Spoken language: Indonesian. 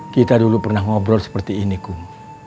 kita dulu pernah ngobrol seperti ini kum